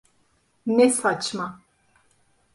Ne saçma!